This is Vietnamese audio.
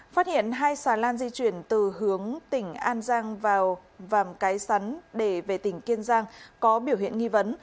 phát hiện hai xà lan di chuyển từ hướng tỉnh an giang vào vàm cái sắn để về tỉnh kiên giang có biểu hiện nghi vấn